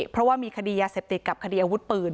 เพราะว่ามีคดียาเสพติดกับคดีอาวุธปืน